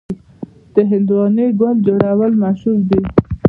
د هندواڼې ګل جوړول مشهور دي.